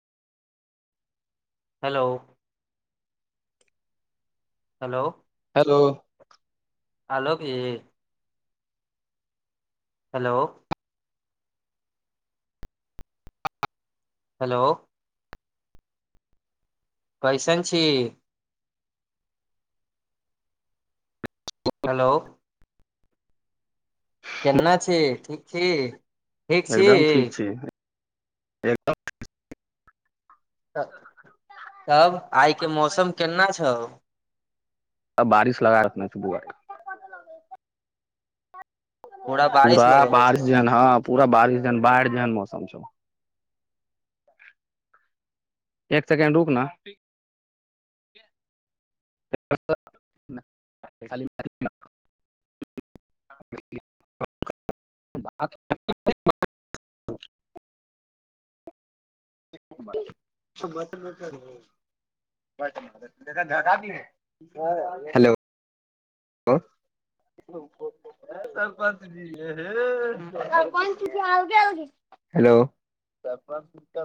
Hello. Hello. Hello. Hello की। Hello. Hello. कैसन छी। हेलो। केना छी ठीक छी। ठीक छी एकदम ठीक छै। एकदम आब। आइके मौसम केना छौ। तब बारिश लगातना सुबर। बारिश पूरा लगले बारिश छौ जान हँ पूरा बारिश जान बढ़ि जान म समझ। एक सेकेण्ड रुकना ी हो।